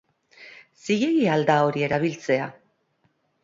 Zilegi al da hori erabiltzea?